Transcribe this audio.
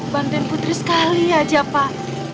banten putri sekali aja pak